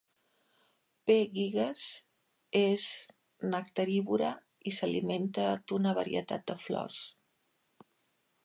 "P. gigues" és nectarívora i s'alimenta d'una varietat de flors.